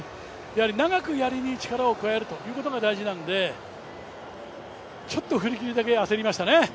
長くやりに力を加えるということが大事なのでちょっと振り切りだけ焦りましたね。